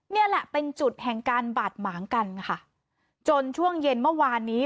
นี่แหละเป็นจุดแห่งการบาดหมางกันค่ะจนช่วงเย็นเมื่อวานนี้